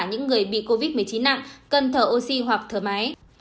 những người bị covid một mươi chín nặng cần thở oxy hoặc thở máy